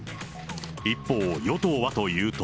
一方、与党はというと。